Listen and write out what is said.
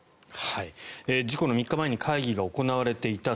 事故の３日前に会議が行われていた。